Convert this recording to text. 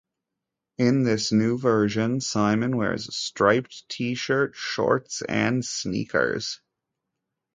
In this new version, Simon wears a striped T-shirt, shorts and sneakers.